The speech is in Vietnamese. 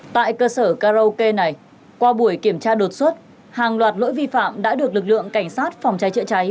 tại cơ sở karaoke này qua buổi kiểm tra đột xuất hàng loạt lỗi vi phạm đã được lực lượng cảnh sát phòng cháy chữa cháy